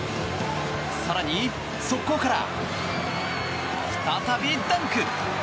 更に速攻から、再びダンク！